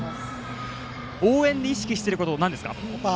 応援で意識してることなんですか。